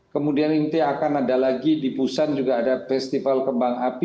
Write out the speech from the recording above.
kemudian nanti akan ada lagi di busan juga ada festival kembang api